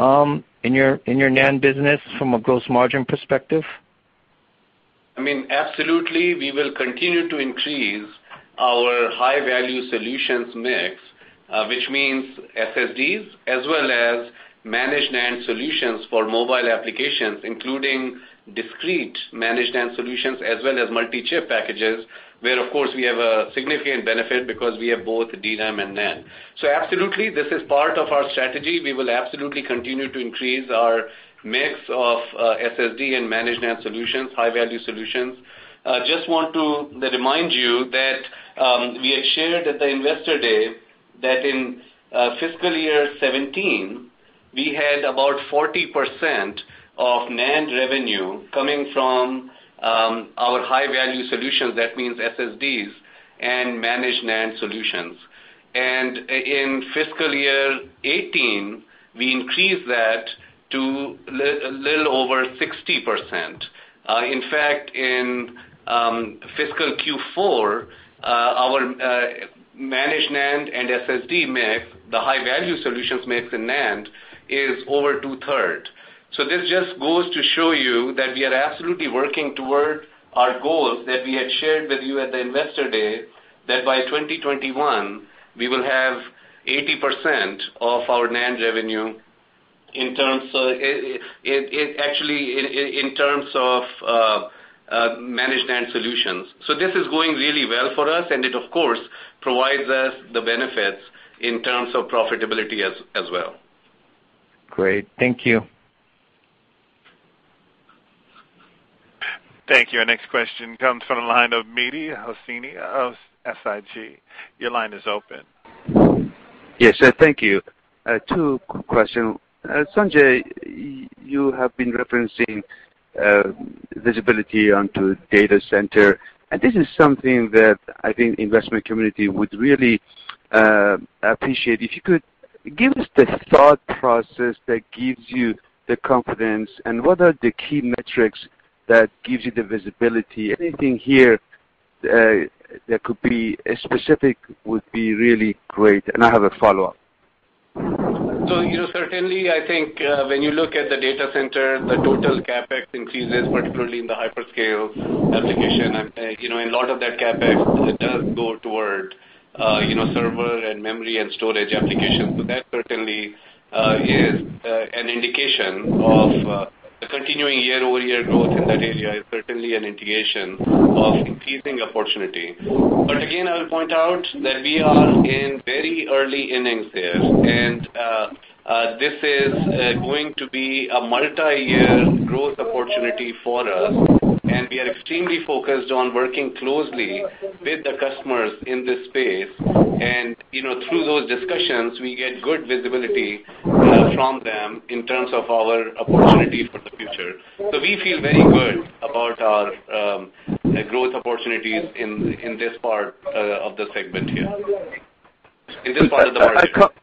in your NAND business from a gross margin perspective? Absolutely, we will continue to increase our high-value solutions mix, which means SSDs as well as managed NAND solutions for mobile applications, including discrete managed NAND solutions, as well as multi-chip packages, where, of course, we have a significant benefit because we have both DRAM and NAND. Absolutely, this is part of our strategy. We will absolutely continue to increase our mix of SSD and managed NAND solutions, high-value solutions. Just want to remind you that we had shared at the investor day that in fiscal year 2017, we had about 40% of NAND revenue coming from our high-value solutions. That means SSDs and managed NAND solutions. In fiscal year 2018, we increased that to a little over 60%. In fact, in fiscal Q4, our managed NAND and SSD mix, the high-value solutions mix in NAND, is over 2/3. This just goes to show you that we are absolutely working toward our goals that we had shared with you at the investor day, that by 2021, we will have 80% of our NAND revenue, actually, in terms of managed NAND solutions. This is going really well for us, and it, of course, provides us the benefits in terms of profitability as well. Great. Thank you. Thank you. Our next question comes from the line of Mehdi Hosseini of SIG. Your line is open. Yes, thank you. Two question. Sanjay, you have been referencing visibility onto data center, this is something that I think investment community would really appreciate. If you could give us the thought process that gives you the confidence, and what are the key metrics that gives you the visibility? Anything here that could be specific would be really great. I have a follow-up. Certainly, I think when you look at the data center, the total CapEx increases, particularly in the hyperscale application. A lot of that CapEx does go toward server and memory and storage applications. That certainly is an indication of the continuing year-over-year growth in that area, is certainly an indication of increasing opportunity. Again, I will point out that we are in very early innings here, and this is going to be a multi-year growth opportunity for us, and we are extremely focused on working closely with the customers in this space. Through those discussions, we get good visibility from them in terms of our opportunities for the future. We feel very good about our growth opportunities in this part of the segment here, in this part of the market.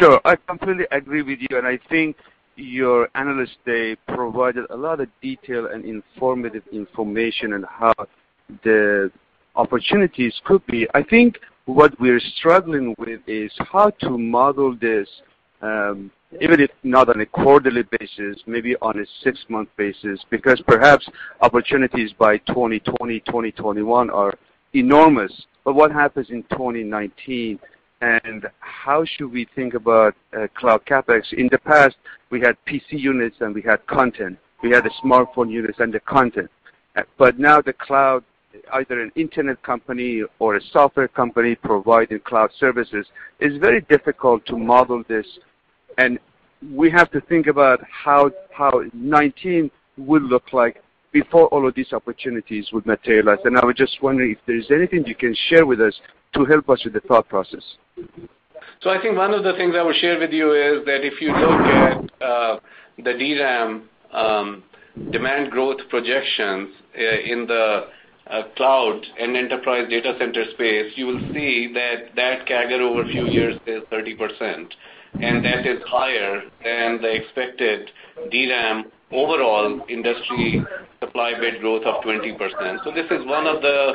Sure. I completely agree with you. I think your analyst day provided a lot of detail and informative information on how the opportunities could be. I think what we're struggling with is how to model this, even if not on a quarterly basis, maybe on a six-month basis, because perhaps opportunities by 2020, 2021 are enormous. What happens in 2019, and how should we think about cloud CapEx? In the past, we had PC units, and we had content. We had the smartphone units and the content. Now the cloud, either an internet company or a software company providing cloud services, is very difficult to model this, and we have to think about how 2019 will look like before all of these opportunities would materialize. I was just wondering if there's anything you can share with us to help us with the thought process. I think one of the things I would share with you is that if you look at the DRAM demand growth projections in the cloud and enterprise data center space, you will see that that CAGR over a few years is 30%, and that is higher than the expected DRAM overall industry supply bit growth of 20%. This is one of the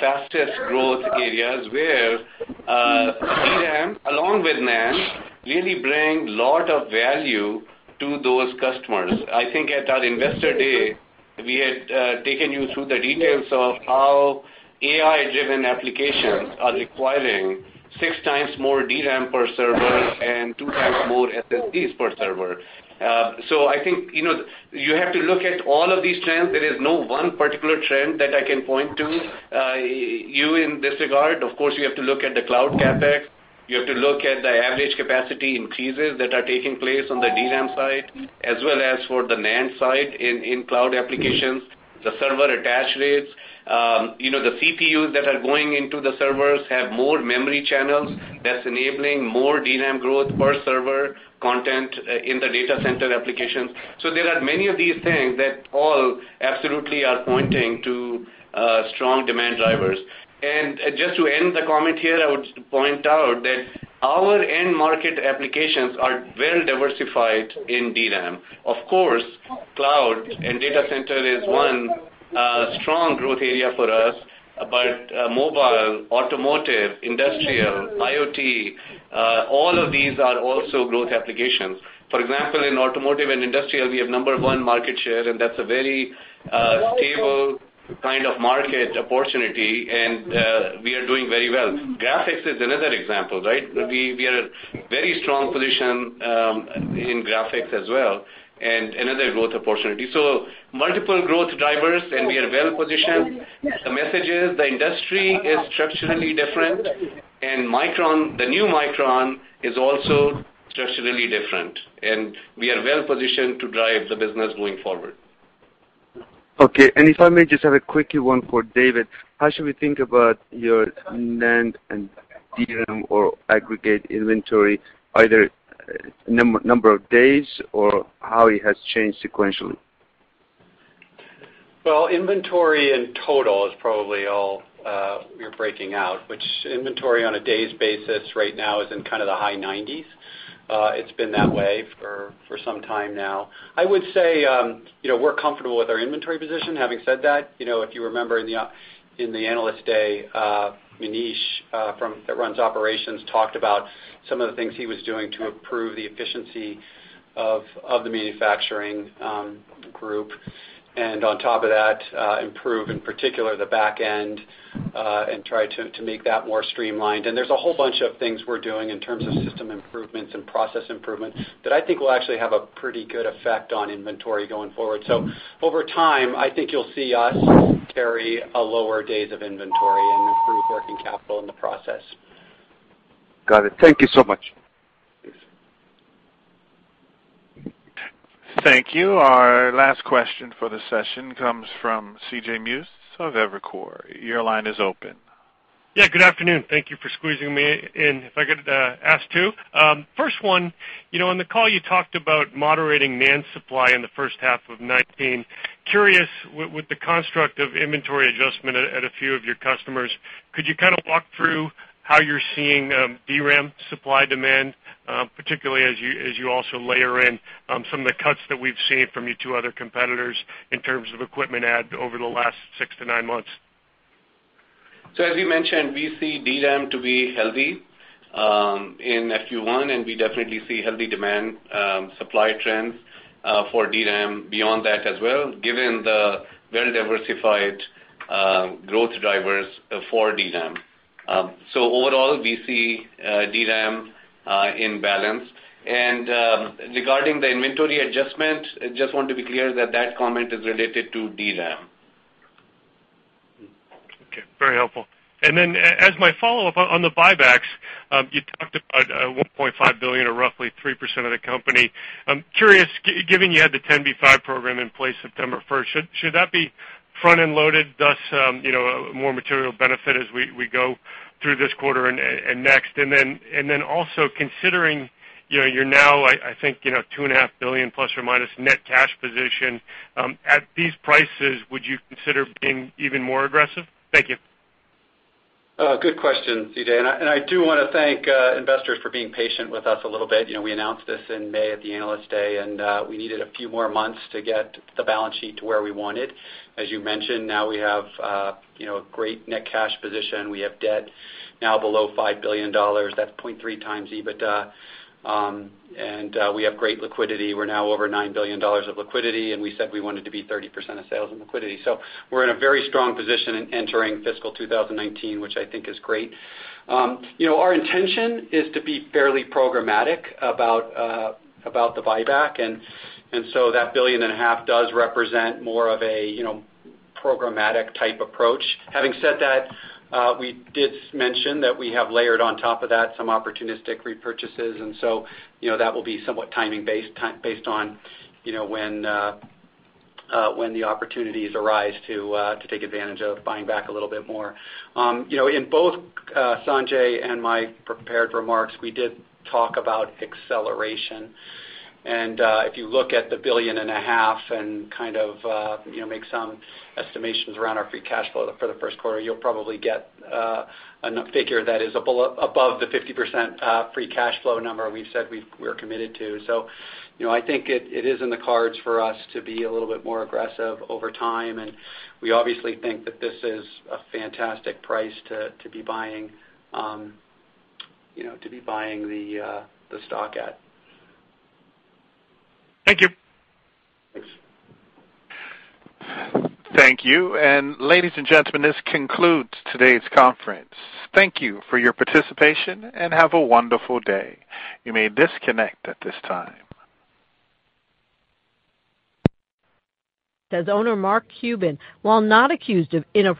fastest growth areas where DRAM, along with NAND, really bring lot of value to those customers. I think at our investor day, we had taken you through the details of how AI-driven applications are requiring six times more DRAM per server and two times more SSDs per server. I think you have to look at all of these trends. There is no one particular trend that I can point to you in this regard. Of course, you have to look at the cloud CapEx. You have to look at the average capacity increases that are taking place on the DRAM side, as well as for the NAND side in cloud applications, the server attach rates. The CPUs that are going into the servers have more memory channels that's enabling more DRAM growth per server content in the data center applications. There are many of these things that all absolutely are pointing to strong demand drivers. Just to end the comment here, I would point out that our end market applications are well-diversified in DRAM. Of course, cloud and data center is one strong growth area for us, but mobile, automotive, industrial, IoT, all of these are also growth applications. For example, in automotive and industrial, we have number one market share, and that's a very stable kind of market opportunity, and we are doing very well. Graphics is another example, right? We are at a very strong position in graphics as well. Another growth opportunity. Multiple growth drivers, and we are well-positioned. The message is the industry is structurally different, and the new Micron is also structurally different, and we are well-positioned to drive the business going forward. Okay. If I may just have a quickie one for David. How should we think about your NAND and DRAM or aggregate inventory, either number of days or how it has changed sequentially? Well, inventory in total is probably all you're breaking out, which inventory on a day's basis right now is in kind of the high 90s. It's been that way for some time now. I would say, we're comfortable with our inventory position. Having said that, if you remember in the Analyst Day, Manish, that runs operations, talked about some of the things he was doing to improve the efficiency of the manufacturing group, and on top of that, improve, in particular, the back end, and try to make that more streamlined. There's a whole bunch of things we're doing in terms of system improvements and process improvements that I think will actually have a pretty good effect on inventory going forward. Over time, I think you'll see us carry a lower days of inventory and improve working capital in the process. Got it. Thank you so much. Thanks. Thank you. Our last question for the session comes from C.J. Muse of Evercore. Your line is open. Good afternoon. Thank you for squeezing me in. If I could ask two. First one, on the call you talked about moderating NAND supply in the first half of 2019. Curious, with the construct of inventory adjustment at a few of your customers, could you kind of walk through how you're seeing DRAM supply demand, particularly as you also layer in some of the cuts that we've seen from your two other competitors in terms of equipment add over the last six to nine months? As we mentioned, we see DRAM to be healthy in F1, and we definitely see healthy demand supply trends for DRAM beyond that as well, given the very diversified growth drivers for DRAM. Overall, we see DRAM in balance. Regarding the inventory adjustment, I just want to be clear that that comment is related to DRAM. Okay. Very helpful. As my follow-up on the buybacks, you talked about $1.5 billion, or roughly 3% of the company. I'm curious, given you had the 10b5-1 program in place September 1st, should that be front-end loaded, thus more material benefit as we go through this quarter and next? Also considering you're now, I think, $2.5 billion plus or minus net cash position, at these prices, would you consider being even more aggressive? Thank you. Good question, C.J. I do want to thank investors for being patient with us a little bit. We announced this in May at the Analyst Day, and we needed a few more months to get the balance sheet to where we wanted. As you mentioned, now we have a great net cash position. We have debt now below $5 billion. That's 0.3x EBITDA. We have great liquidity. We're now over $9 billion of liquidity, and we said we wanted to be 30% of sales and liquidity. We're in a very strong position in entering fiscal 2019, which I think is great. Our intention is to be fairly programmatic about the buyback, that billion and a half does represent more of a programmatic type approach. Having said that, we did mention that we have layered on top of that some opportunistic repurchases. That will be somewhat timing-based, based on when the opportunities arise to take advantage of buying back a little bit more. In both Sanjay and my prepared remarks, we did talk about acceleration. If you look at the billion and a half and kind of make some estimations around our free cash flow for the first quarter, you'll probably get a figure that is above the 50% free cash flow number we've said we're committed to. I think it is in the cards for us to be a little bit more aggressive over time, and we obviously think that this is a fantastic price to be buying the stock at. Thank you. Thanks. Thank you. Ladies and gentlemen, this concludes today's conference. Thank you for your participation, and have a wonderful day. You may disconnect at this time. Says owner Mark Cuban, while not accused of.